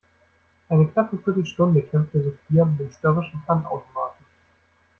Eine knappe Viertelstunde kämpfte Sophia mit dem störrischen Pfandautomaten.